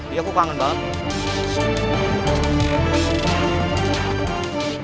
iya aku panggil banget